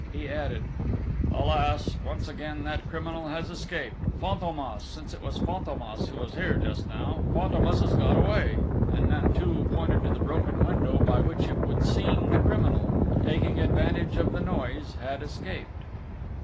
He added: "Alas, once again that criminal has escaped! Fantômas, since it was Fantômas who was here, just now, Fantômas has got away!" And Nanteuil pointed to the broken window by which it would seem the criminal, taking advantage of the noise, had escaped.